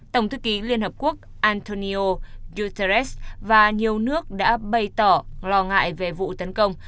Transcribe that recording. tổng thư ký liên hợp quốc antonio guterres và nhiều nước đã bày tỏ lo ngại về vụ tấn công